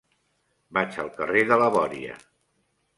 Vaig al carrer de la Bòria.